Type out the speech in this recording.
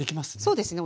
そうですね。